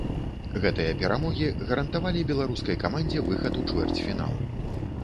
Гэтыя перамогі гарантавалі беларускай камандзе выхад у чвэрцьфінал.